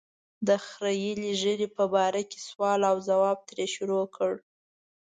د خرییلې ږیرې په باره کې سوال او ځواب ترې شروع کړ.